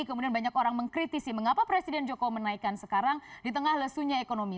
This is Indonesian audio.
kemudian banyak orang mengkritisi mengapa presiden jokowi menaikkan sekarang di tengah lesunya ekonomi